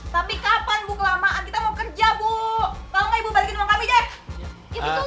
ya betul toh